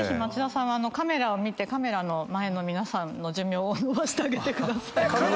カメラを見てカメラの前の皆さんの寿命を延ばしてあげてください。